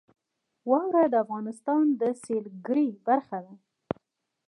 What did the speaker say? واوره د افغانستان د سیلګرۍ برخه ده.